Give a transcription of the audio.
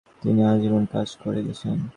তিনি আজীবন কাজ করে গেছেন।